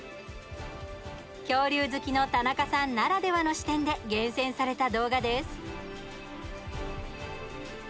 恐竜好きの田中さんならではの視点で厳選された動画です。